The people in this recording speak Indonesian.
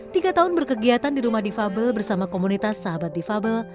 tiga tahun berkegiatan di rumah difabel bersama komunitas sahabat difabel